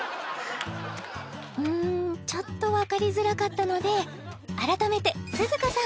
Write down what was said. うんちょっと分かりづらかったので改めてＳＵＺＵＫＡさん